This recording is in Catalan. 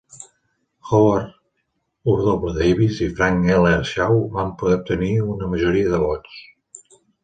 Howar W. Davis i Frank L. Shaw - van poder obtenir una majoria de vots.